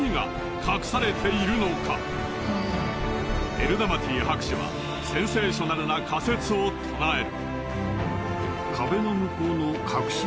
エルダマティ博士はセンセーショナルな仮説を唱える。